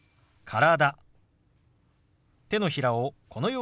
「体」。